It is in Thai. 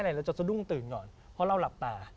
เราจะสะดุ้งตื่นก่อนเพราะเราหลับตา